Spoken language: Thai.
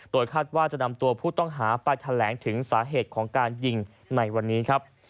คาดว่าจะนำตัวผู้ต้องหาไปแถลงถึงสาเหตุของการยิงในวันนี้ครับ